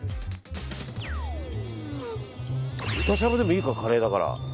豚しゃぶでもいいかカレーだから。